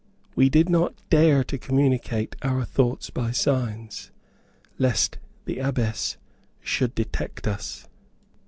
We did not even dare to communicate our thoughts by signs, lest the Abbess should detect us.